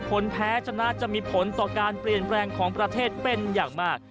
ผลแพ้ชนะจะมีผลต่อการเปลี่ยนแปลงของประเทศเป็นอย่างมาก